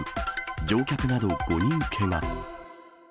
乗客など５人けが。